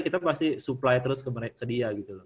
kita pasti supply terus ke dia gitu loh